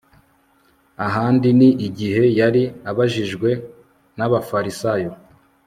ahandi ni igihe yari abajijjwe n'abafarisayo